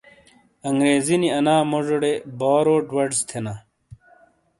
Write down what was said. انگریزی نی انا موجو ڑے "borrowed words" تھینا۔